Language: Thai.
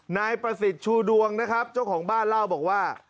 นายประสิทธิ์ชูดวงนะครับเจ้าของบ้านเล่าบอกว่า